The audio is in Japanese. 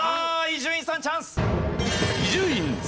伊集院さんチャンス！